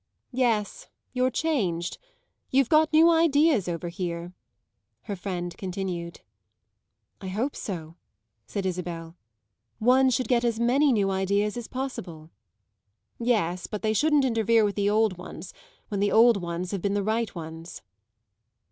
"Yes, you're changed; you've got new ideas over here," her friend continued. "I hope so," said Isabel; "one should get as many new ideas as possible." "Yes; but they shouldn't interfere with the old ones when the old ones have been the right ones."